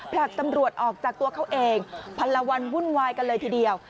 ผลักตำรวจออกจากตัวเขาเองพันละวันวุ่นวายกันเลยทีเดียว